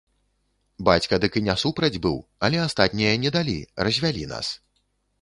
Бацька дык і не супраць быў, але астатнія не далі, развялі нас.